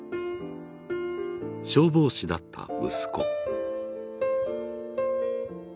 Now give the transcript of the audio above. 消防士だった息子。